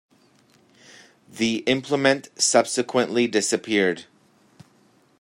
The implement subsequently disappeared.